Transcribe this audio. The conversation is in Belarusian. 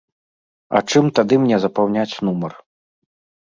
А чым тады мне запаўняць нумар?